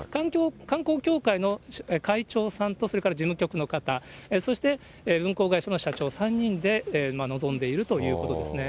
観光協会の会長さんとそれから事務局の方、そして運航会社の社長、３人で臨んでいるということですね。